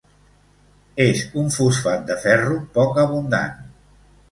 És un fosfat de ferro poc abundant.